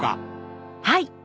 はい！